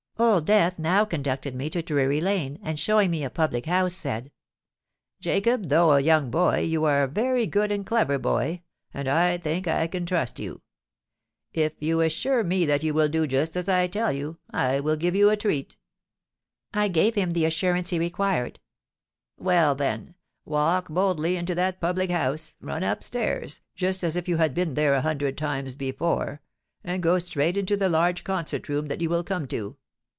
"Old Death now conducted me to Drury Lane, and showing me a public house, said, 'Jacob, though a young boy, you are a very good and clever boy, and I think I can trust you. If you assure me that you will do just as I tell you, I will give you a treat.'—I gave him the assurance he required.—'Well, then, walk boldly into that public house; run up stairs, just as if you had been there a hundred times before; and go straight into the large concert room that you will come to.